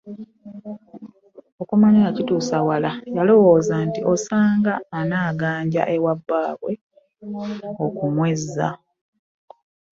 Okumanya yakituusa wala yalowooza nti osanga singa anaaganja ewa bbaabwe ayinza okumwezza.